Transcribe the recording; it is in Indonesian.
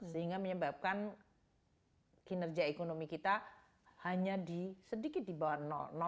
sehingga menyebabkan kinerja ekonomi kita hanya sedikit di bawah